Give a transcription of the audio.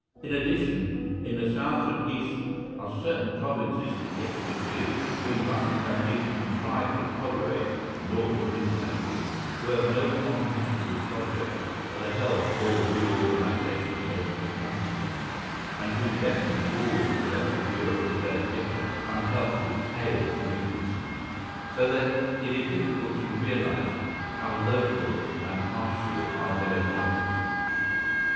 In addition, in the South and East are certain provinces thick with Jews, whom Russia can neither contrive to tolerate nor assimilate, who have no comprehensible projects for the help or reorganisation of the country, and who deafen all the rest of Europe with their bitter, unhelpful tale of grievances, so that it is difficult to realise how local and partial are their wrongs.